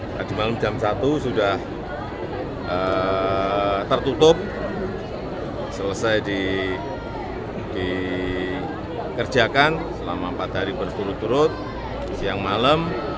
tadi malam jam satu sudah tertutup selesai dikerjakan selama empat hari berturut turut siang malam